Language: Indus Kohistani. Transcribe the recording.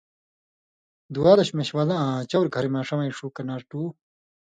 دُوالَش مېشوالہ آں چَؤر گھریۡماشہ وَیں ݜُو کنارٹُو